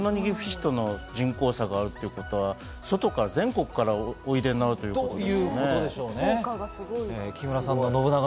岐阜市の人口差があるということは、外から、全国からおいでになるということですね。